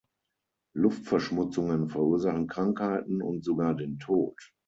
Luftverschmutzungen verursachen Krankheiten und sogar den Tod.